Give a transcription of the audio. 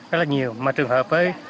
rất là nhiều mà trường hợp với